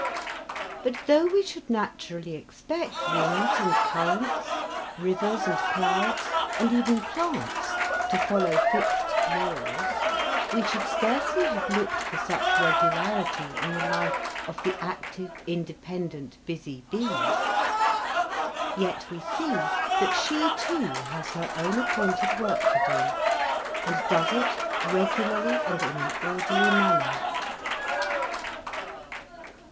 But though we should naturally expect winds and currents, rivers and clouds, and even plants to follow fixed laws, we should scarcely have looked for such regularity in the life of the active, independent busy bee. Yet we see that she, too, has her own appointed work to do, and does it regularly and in an orderly manner.